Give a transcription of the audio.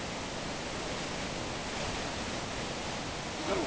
ご家老！